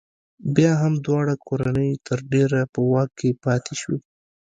بیا هم دواړه کورنۍ تر ډېره په واک کې پاتې شوې.